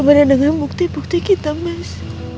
berbeda dengan bukti bukti kita mas